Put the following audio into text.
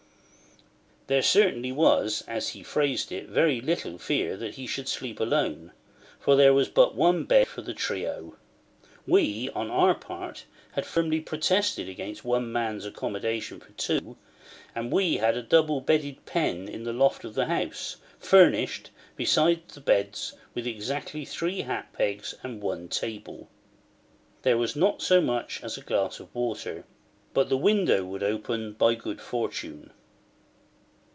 There certainly was, as he phrased it, very little fear that he should sleep alone; for there was but one bed for the trio. We, on our part, had firmly protested against one man's accommodation for two; and we had a double bedded pen in the loft of the house, furnished, beside the beds, with exactly three hat pegs and one table. There was not so much as a glass of water. But the window would open, by good fortune.